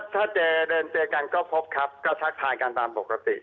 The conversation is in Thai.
ถ้าเจอกันก็พบครับก็ชักผ่านกันตามปกติ